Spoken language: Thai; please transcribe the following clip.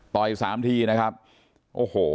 อีกสามทีนะครับโอ้โห